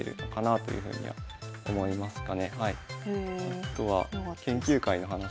あとは研究会の話とか。